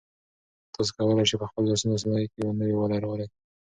تاسي کولای شئ په خپلو لاسي صنایعو کې نوي والی راولئ.